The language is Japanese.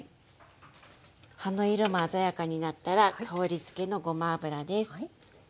葉の色も鮮やかになったら香りづけのごま油です。